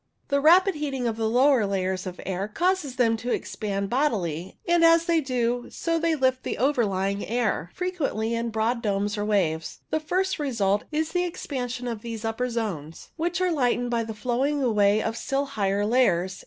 The rapid heating of o CO a D o 1 O a ui a z 1 THUNDER WEATHER 109 the lower layers of air causes them to expand bodily, and as they do so they lift the overlying air, frequently in broad domes or waves. The first result is the expansion of these upper zones, which are lightened by the flowing away of still higher layers.